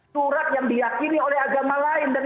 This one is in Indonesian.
surat yang diakini oleh agama lain